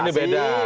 sebentar ini beda